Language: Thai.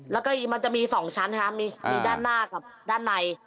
แล้วก็มันจะมี๒ชั้นค่ะมีด้านหน้ากับด้านใน